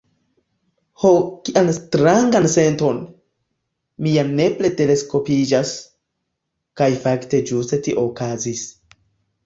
"Ho, kian strangan senton! mi ja nepre teleskopiĝas!" Kaj fakte ĝuste tio okazis.